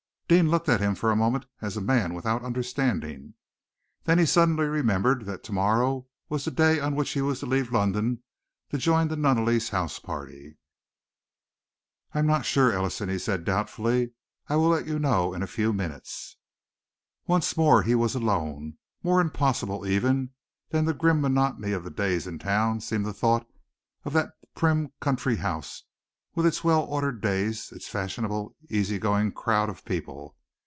Deane looked at him for a moment as a man without understanding. Then he suddenly remembered that to morrow was the day on which he was to leave London to join the Nunneley's house party. "I am not sure, Ellison," he said doubtfully. "I will let you know in a few minutes." Once more he was alone. More impossible, even, than the grim monotony of the days in town seemed the thought of that prim country house, with its well ordered days, its fashionable, easy going crowd of people.